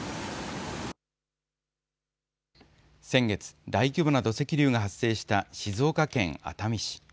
先月、大規模な土石流が発生した静岡県熱海市。